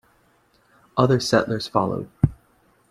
Other settlers followed.